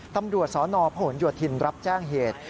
ตำรวจสนผ่วนหยวดถิ่นรับแจ้งเหตุ